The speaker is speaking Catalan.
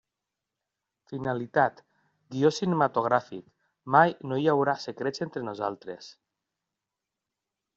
Finalitat: guió cinematogràfic Mai no hi haurà secrets entre nosaltres.